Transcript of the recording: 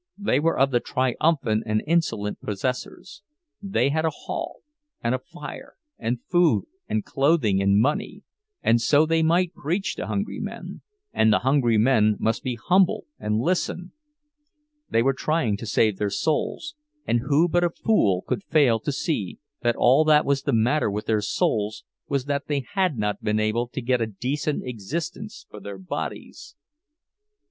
They were of the triumphant and insolent possessors; they had a hall, and a fire, and food and clothing and money, and so they might preach to hungry men, and the hungry men must be humble and listen! They were trying to save their souls—and who but a fool could fail to see that all that was the matter with their souls was that they had not been able to get a decent existence for their bodies?